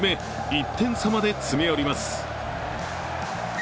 １点差まで詰め寄ります。